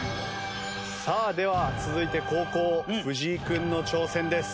さあでは続いて後攻藤井君の挑戦です。